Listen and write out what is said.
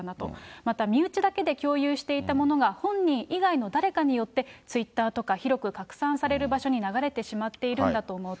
また身内だけで共有していたものが、本人以外の誰かによってツイッターとか、広く拡散される場所に流れてしまっているんだと思うと。